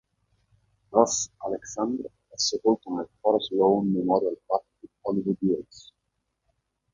Ross Alexander è sepolto nel Forest Lawn Memorial Park di Hollywood Hills.